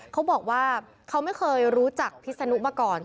เขาบอกว่าเขาไม่เคยรู้จักพิษนุมาก่อน